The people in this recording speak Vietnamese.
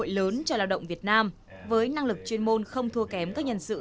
với năng lực chuyên môn không thua kém các nhân sự với năng lực chuyên môn không thua kém các nhân sự